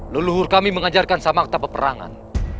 leluhur kami mengajarkan samakta peperangan